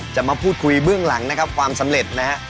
มาพูดคุยเบื้องหลังนะครับความสำเร็จนะฮะ